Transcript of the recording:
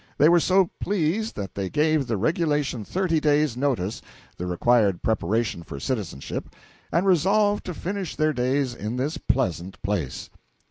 They were so pleased that they gave the regulation thirty days' notice, the required preparation for citizenship, and resolved to finish their days in this pleasant place.